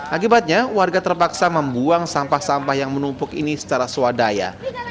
akibatnya warga terpaksa membuang sampah sampah yang menumpuk ini secara swadaya